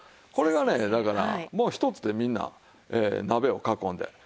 これがねだからもうひとつでみんな鍋を囲んで。